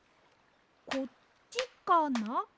こっちかな？